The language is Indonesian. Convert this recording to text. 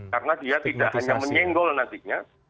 karena dia tidak hanya menyenggol nantinya